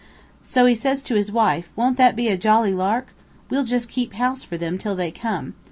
So says he to his wife, 'Won't that be a jolly lark? We'll just keep house for them here till they come.